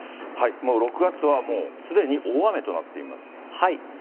もう６月はもうすでに大雨となっています。